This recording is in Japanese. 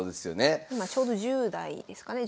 今ちょうど１０代ですかね